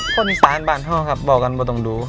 คนสานบ้านพ่อครับบอกกันว่าต้องดู